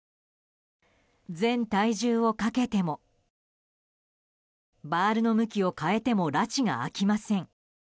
全体重をかけてもバールの向きを変えてもらちが明きません。